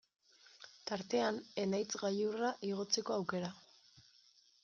Tartean Enaitz gailurra igotzeko aukera.